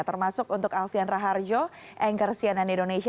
termasuk untuk alfian raharjo engkarsianan indonesia